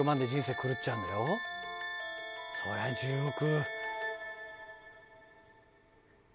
そりゃ１０億。